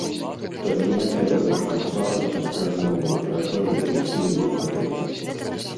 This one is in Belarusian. Толькі не трэба зашмат пафасу, размоваў пра тое, якія мы героі.